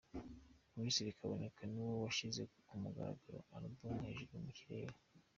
Minisitiri Kaboneka niwe washyize ku mugaragaro Alubum Hejuru mu kirere.